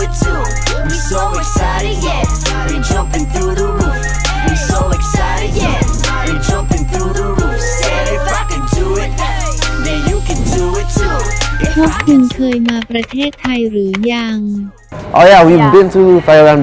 เคยมาประเทศไทยหรือยัง